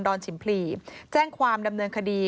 อนฉิมพลีแจ้งความดำเนินคดี